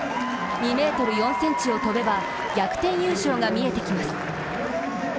２ｍ４ｃｍを跳べば逆転優勝が見えてきます。